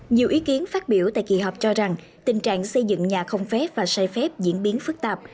nhiều ý kiến phát biểu tại kỳ họp cho rằng tình trạng xây dựng nhà không phép và sai phép diễn biến phức tạp